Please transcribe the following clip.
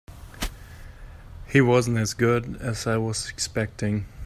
He wasn't as good as I was expecting.